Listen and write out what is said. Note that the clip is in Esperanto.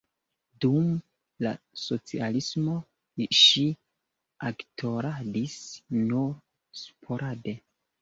Dum la socialismo ŝi aktoradis nur sporade.